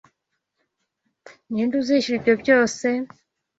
Ninde uzishyura ibyo byose?